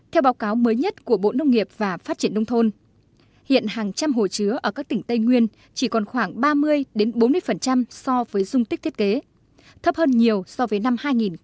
theo báo cáo mới nhất của bộ nông nghiệp và phát triển nông thôn hiện hàng trăm hồ chứa ở các tỉnh tây nguyên chỉ còn khoảng ba mươi bốn mươi so với dung tích thiết kế thấp hơn nhiều so với năm hai nghìn một mươi